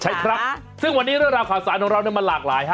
ใช่ครับซึ่งวันนี้เรื่องราวข่าวสารของเรามันหลากหลายฮะ